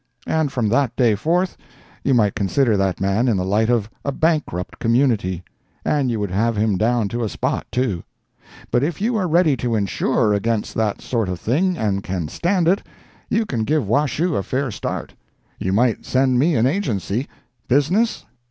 And from that day forth you might consider that man in the light of a bankrupt community; and you would have him down to a spot, too. But if you are ready to insure against that sort of thing, and can stand it, you can give Washoe a fair start. You might send me an agency. Business?